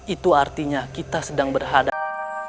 itu artinya kita sedang berhadap